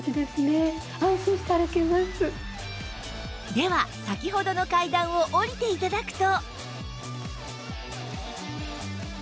では先ほどの階段を下りて頂くと